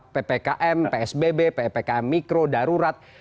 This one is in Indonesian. ppkm psbb ppkm mikro darurat